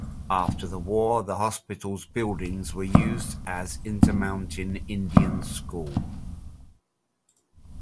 After the war, the hospital's buildings were used as Intermountain Indian School.